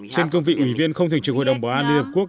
trên cương vị ủy viên không thường trực hội đồng bảo an liên hợp quốc